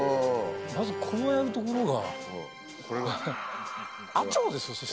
まずこうやるところが。